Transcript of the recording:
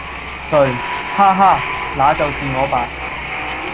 誰？哈哈！那就是我吧！